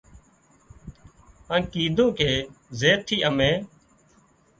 هانَ ڪيڌون ڪي زين ٿي امين